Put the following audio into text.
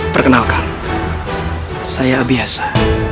perkenalkan saya abiasa